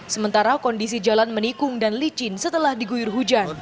sementara kondisi jalan menikung dan licin setelah diguyur hujan